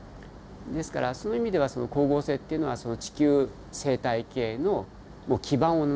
ですからそういう意味では光合成っていうのは地球生態系の基盤をなすものであって。